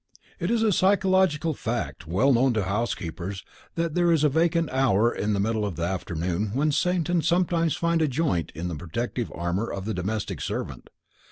It is a psychological fact well known to housekeepers that there is a vacant hour in the middle of the afternoon when Satan sometimes finds a joint in the protective armour of the domestic servant.